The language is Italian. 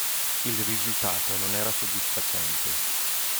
Il risultato non era soddisfacente.